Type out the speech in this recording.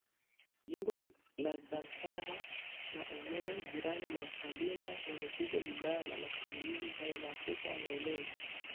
Jimbo la Zamfara na eneo jirani la Kaduna yamepigwa vibaya na mashambulizi hayo maafisa wameeleza